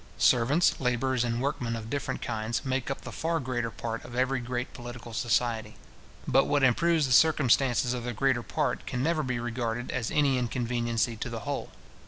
Servants, labourers, and workmen of different kinds, make up the far greater part of every great political society. But what improves the circumstances of the greater part, can never be regarded as any inconveniency to the whole.